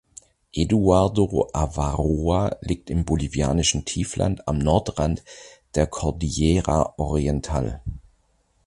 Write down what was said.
Eduardo Avaroa liegt im bolivianischen Tiefland am Nordrand der Cordillera Oriental.